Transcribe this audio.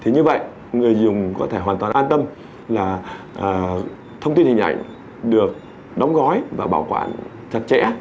như vậy người dùng có thể hoàn toàn an tâm là thông tin hình ảnh được đóng gói và bảo quản chặt chẽ